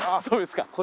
そうですか。